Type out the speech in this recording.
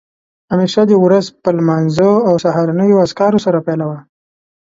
همېشه دې ورځ په لمانځه او سهارنیو اذکارو سره پیلوه